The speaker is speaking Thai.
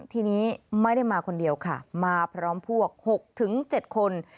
ทีนี้ไม่ได้มาคนเดียวค่ะมาพร้อมพวก๖๗คน